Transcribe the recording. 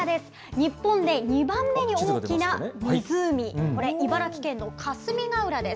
日本で２番目に大きな湖、これ、茨城県の霞ケ浦です。